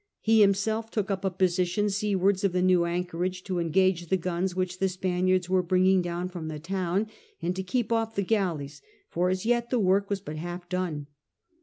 He himself took up a position seawards of the new anchorage, to engage the guns which the Spaniards were bringing down from the town and to keep off the galleys ; for as yet the work was but half done.